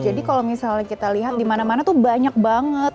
jadi kalau misalnya kita lihat dimana mana tuh banyak banget